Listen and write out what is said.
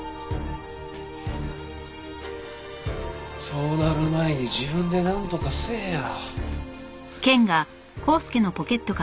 そうなる前に自分でなんとかせえや。